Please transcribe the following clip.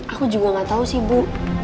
aku juga gak tau sih bu